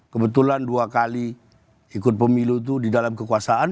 kebetulan dua kali ikut pemilu itu di dalam kekuasaan